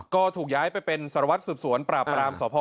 ก็ถูกย้ายไปเป็นสารวัตรสืบสวนปราบรามสพ